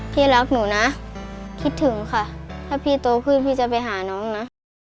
พี่รักหนูนะคิดถึงค่ะถ้าพี่โตขึ้นพี่จะไปหาน้องนะ